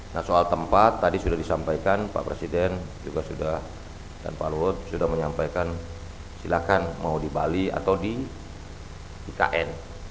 nah soal tempat tadi sudah disampaikan pak presiden juga sudah dan pak luhut sudah menyampaikan silakan mau di bali atau di ikn